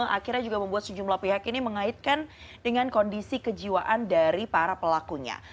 akhirnya juga membuat sejumlah pihak ini mengaitkan dengan kondisi kejiwaan dari para pelakunya